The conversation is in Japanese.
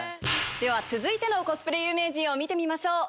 では続いてのコスプレ有名人を見てみましょう！